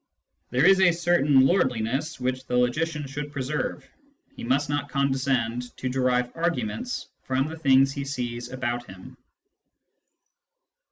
There is a certain lordliness which the logician should preserve : he must not condescend to derive arguments from the things he sees about him.